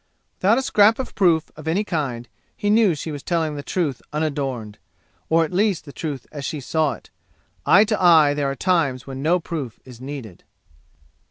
Without a scrap of proof of any kind he knew she was telling truth unadorned or at least the truth as she saw it. Eye to eye, there are times when no proof is needed.